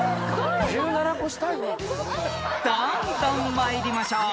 ［どんどん参りましょう］